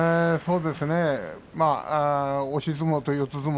そうですね押し相撲と四つ